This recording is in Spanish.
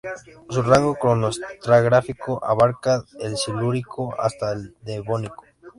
Su rango cronoestratigráfico abarca desde el Silúrico hasta el Devónico.